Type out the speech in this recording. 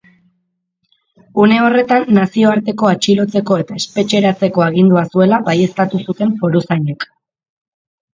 Une horretan nazioarteko atxilotzeko eta espetxeratzeko agindua zuela baieztatu zuten foruzainek.